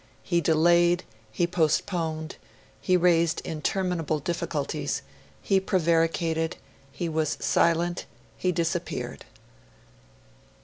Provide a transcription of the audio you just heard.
He delayed, he postponed, he raised interminable difficulties, he prevaricated, he was silent, he disappeared.